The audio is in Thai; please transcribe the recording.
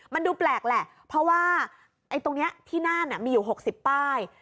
มันดูแปลกแหละเพราะว่าตรงนี้ที่น่านมีอยู่๖๐ป้าย